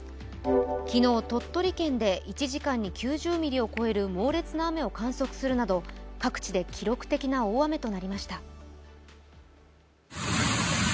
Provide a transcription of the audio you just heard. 昨日、鳥取県で１時間に９０ミリを超える猛烈な雨を観測するなど、各地で記録的な大雨となりました。